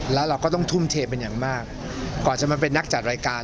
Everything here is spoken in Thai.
แล้วเราก็ต้องทุ่มเทเป็นอย่างมากก่อนจะมาเป็นนักจัดรายการ